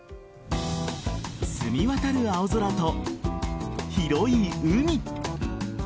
澄み渡る青空と広い海。